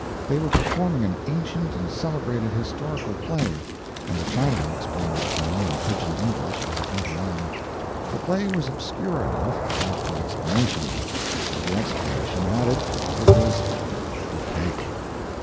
They were performing an ancient and celebrated historical play, and a Chinaman explained it to me in pidjin English as it went along. The play was obscure enough without the explanation; with the explanation added, it was (opake).